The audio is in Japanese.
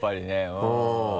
うん。